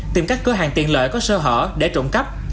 tìm các cửa hàng tiện lợi có sơ hở để trộm cắp